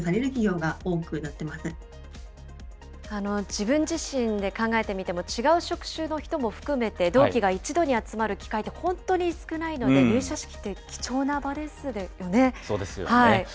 自分自身で考えてみても、違う職種の人も含めて、同期が一堂に集まる機会って本当に少ないので、そうですよね。